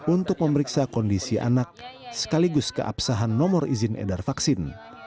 untuk memeriksa kondisi anak sekaligus keabsahan nomor izin edar vaksin